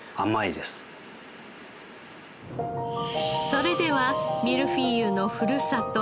それではミルフィーユのふるさと